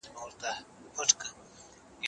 عام خلګ نالوستي پاته کيږي.